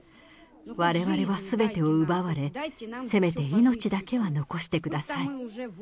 われわれはすべてを奪われ、せめて命だけは残してください。